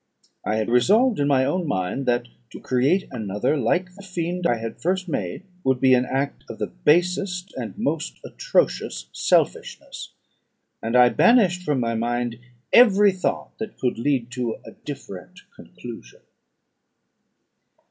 I had resolved in my own mind, that to create another like the fiend I had first made would be an act of the basest and most atrocious selfishness; and I banished from my mind every thought that could lead to a different conclusion.